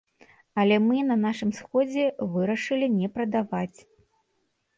Але мы на нашым сходзе вырашылі не прадаваць.